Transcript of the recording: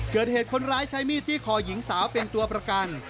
เกิดเหตุคนร้ายใช้มีดจี้คอหญิงสาวเป็นตัวประกัน